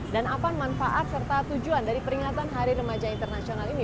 dan apa manfaat serta tujuan dari peringatan hari remaja internasional ini